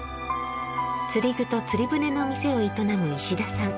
釣り具と釣船の店を営む石田さん。